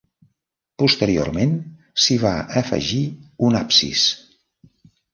Posteriorment s'hi va afegir un absis.